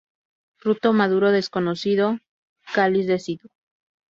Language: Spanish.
Fruto maduro desconocido, cáliz deciduo.